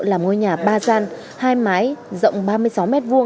là ngôi nhà ba gian hai mái rộng ba mươi sáu m hai